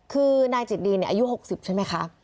คือนายจิตดีอายุ๖๐ใช่ไหมคะ